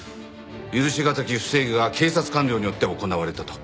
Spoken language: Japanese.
許しがたき不正義が警察官僚によって行われたと。